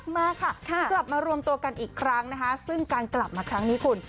มาค่ะกลับมารวมตัวกันอีกครั้งนะคะซึ่งการกลับมาครั้งนี้คุณ